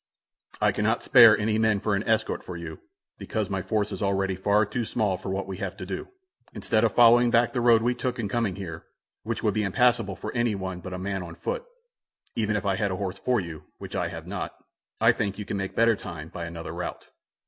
"I cannot spare any men for an escort for you, because my force is already far too small for what we have to do. Instead of following back the road we took in coming here which would be impassable for any one but a man on foot, even if I had a horse for you, which I have not I think you can make better time by another route.